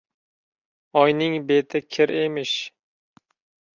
Oyning beti kir emish.